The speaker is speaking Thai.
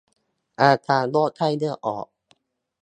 อาการโรคไข้เลือดออก